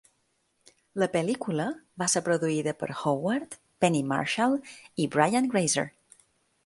La pel·lícula va ser produïda per Howard, Penny Marshall i Brian Grazer.